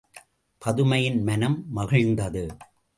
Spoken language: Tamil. பதுமையின் மனம் மகிழ்ந்தது.